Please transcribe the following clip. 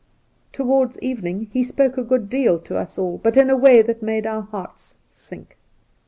72 Soltke Towards evening lie spoke a good deal to us all, but in a way that made our hearts sink.